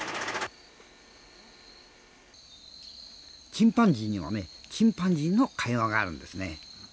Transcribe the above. チンパンジーにはチンパンジーの会話があるんですね。